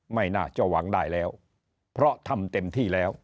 ไม่น่าจะหวังได้แล้วเพราะทำเต็มที่แล้ว